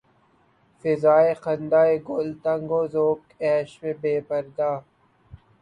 فضائے خندۂ گل تنگ و ذوق عیش بے پردا